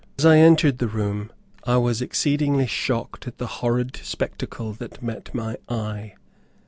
As I entered the room I was exceedingly shocked at the horrid spectacle that met my eye.